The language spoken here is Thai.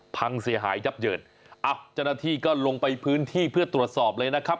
พังเสียหายยับเยินจณฑิก็ลงไปพื้นที่เพื่อตรวจสอบเลยนะครับ